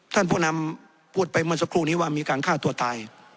ท่านผู้นำพูดไปเมื่อสักครู่นี้ว่ามีการฆ่าตัวตาย